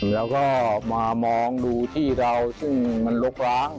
แล้วก็มามองดูที่เราซึ่งมันลกล้าง